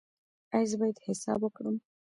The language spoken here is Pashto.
ایا زه باید حساب وکړم؟